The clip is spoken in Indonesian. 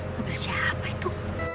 mobil siapa itu